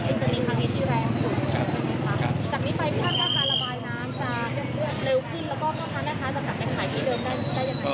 ก็ทัก